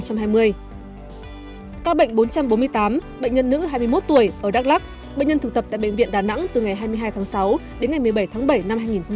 ca bệnh bốn trăm bốn mươi tám bệnh nhân nữ hai mươi một tuổi ở đắk lắk bệnh nhân thực tập tại bệnh viện đà nẵng từ ngày hai mươi hai tháng sáu đến ngày một mươi bảy tháng bảy năm hai nghìn hai mươi